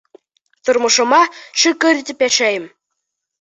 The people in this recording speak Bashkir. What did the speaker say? Тормошома шөкөр итеп йәшәйем.